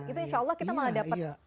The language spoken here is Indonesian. itu insya allah kita malah dapat